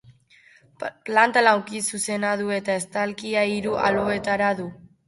Planta laukizuzena du eta estalkia hiru alboetara du.